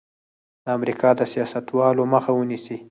د امریکا د سیاستوالو مخه ونیسي.